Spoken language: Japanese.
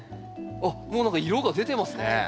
あっもう何か色が出てますね。